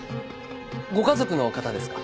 ご家族の方ですか？